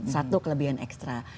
satu kelebihan ekstra